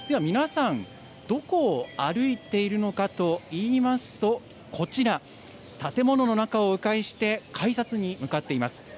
皆さん、どこを歩いているのかといいますとこちら、建物の中をう回して改札に向かっています。